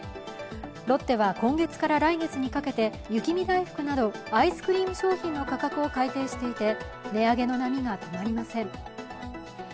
ロッテは今月から来月にかけて、雪見だいふくなどアイスクリーム商品の価格を改定していて値上げの波が止まりません。